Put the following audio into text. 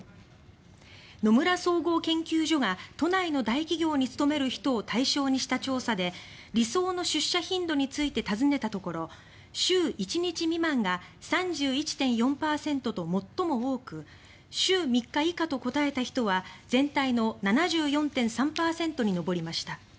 野村総合研究所が都内の大企業に勤める人を対象にした調査で理想の出社頻度について尋ねたところ週１日未満が３１．４％と最も多く週３日以下と答えた人は全体の７４．３％に上りました。